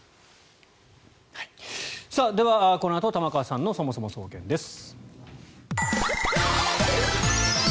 では、このあと玉川さんのそもそも総研です。